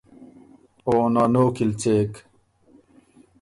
او نانو کی ل څېک۔